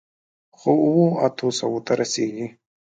خو، اوو، اتو سووو ته رسېږي.